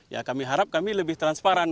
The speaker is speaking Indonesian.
ya kami harap kami lebih transparan